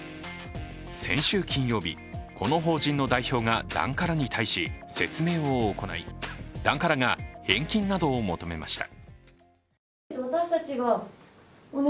先週金曜日、この法人の代表が檀家らに対し説明を行い檀家らが返金などを求めました。